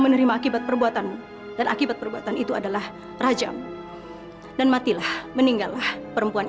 menerima akibat perbuatanmu dan akibat perbuatan itu adalah rajam dan matilah meninggallah perempuan